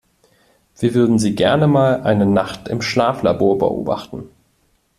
Wir würden Sie gerne mal eine Nacht im Schlaflabor beobachten.